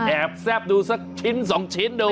แอบแซ่บดูสักชิ้นสองชิ้นดู